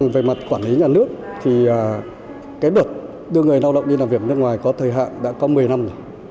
về mặt quản lý nhà nước thì cái việc đưa người lao động đi làm việc nước ngoài có thời hạn đã có một mươi năm rồi